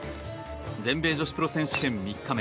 全米女子プロゴルフ選手権３日目。